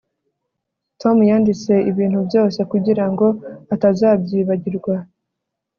Tom yanditse ibintu byose kugirango atazabyibagirwa